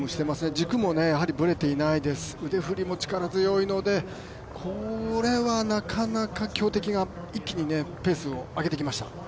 軸もぶれていないです、腕振りも力強いのでこれはなかなか強敵が一気にペースを上げてきました。